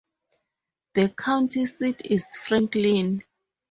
The county seat is Franklin.